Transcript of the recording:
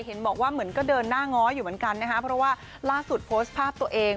เห็นบอกว่าเหมือนก็เดินหน้าง้ออยู่เหมือนกันนะคะเพราะว่าล่าสุดโพสต์ภาพตัวเอง